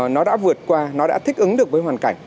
nó đã vượt qua nó đã thích ứng được với hoàn cảnh